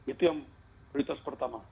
itu yang prioritas pertama